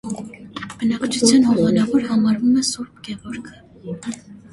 Բնակչության հովանավոր համարվում է սուրբ Գևորգը։